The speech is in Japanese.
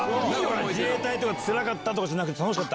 自衛隊とか、つらかったとかじゃなくて、楽しかった？